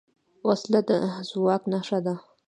وسله د ځواک نښه ده